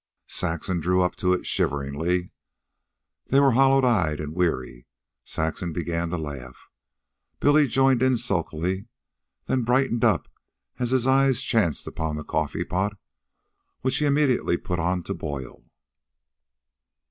Saxon drew up to it shiveringly. They were hollow eyed and weary. Saxon began to laugh. Billy joined sulkily, then brightened up as his eyes chanced upon the coffee pot, which he immediately put on to boil.